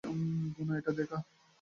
গুনা, এটা দেখো।